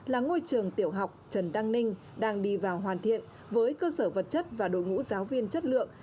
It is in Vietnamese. là ngôi trường tiểu học trần đăng ninh đang đi vào hoàn thiện với cơ sở vật chất và đội ngũ giáo viên chất lượng